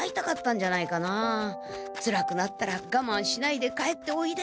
「つらくなったらがまんしないで帰っておいで」